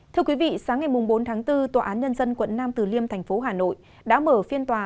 thưa quý vị sáng ngày bốn tháng bốn tòa án nhân dân quận nam từ liêm thành phố hà nội đã mở phiên tòa